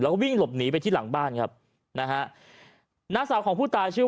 แล้วก็วิ่งหลบหนีไปที่หลังบ้านครับนะฮะน้าสาวของผู้ตายชื่อ